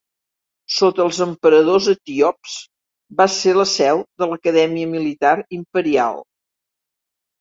Sota els emperadors etíops va ser la seu de l'Acadèmia Militar imperial.